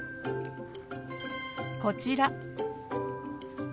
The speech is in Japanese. こちら。